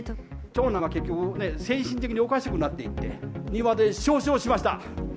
長男は結局、精神的におかしくなっていって、庭で焼死をしました。